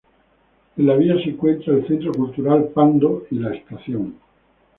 En la vía se encuentra el Centro Cultural Pando, y la estación.